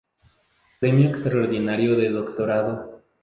Premio Extraordinario de Doctorado.